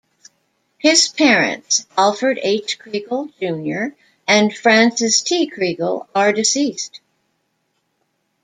His parents, Alfred H. Kregel Junior and Frances T. Kregel, are deceased.